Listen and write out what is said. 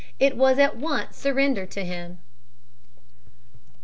It was at once surrendered to him.